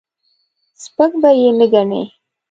سپک به یې نه ګڼې.